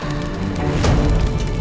ada apaan sih